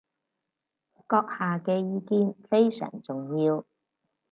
閣下嘅意見非常重要